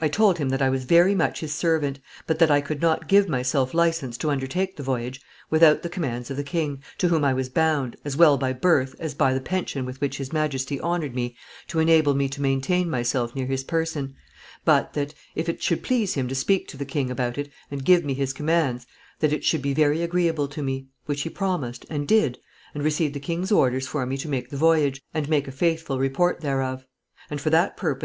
I told him that I was very much his servant, but that I could not give myself license to undertake the voyage without the commands of the king, to whom I was bound, as well by birth as by the pension with which His Majesty honoured me to enable me to maintain myself near his person, but that, if it should please him to speak to the king about it, and give me his commands, that it should be very agreeable to me, which he promised and did, and received the king's orders for me to make the voyage and make a faithful report thereof; and for that purpose M.